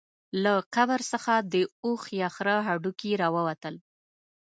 له قبر څخه د اوښ یا خره هډوکي راووتل.